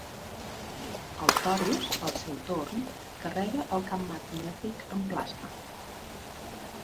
El torus, al seu torn, carrega el camp magnètic amb plasma.